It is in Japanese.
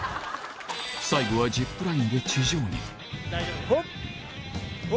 最後はジップラインで地上に大丈夫です。